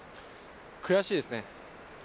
悔しいですね。